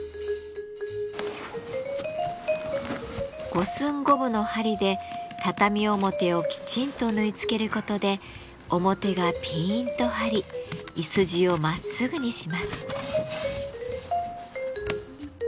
五寸五分の針で畳表をきちんと縫い付けることで表がピンと張りいすじをまっすぐにします。